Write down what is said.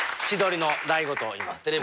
千鳥の大悟といいます。